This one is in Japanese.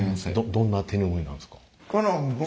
どんな手ぬぐいなんですか？